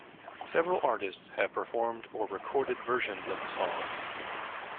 Several artists have performed or recorded versions of the song.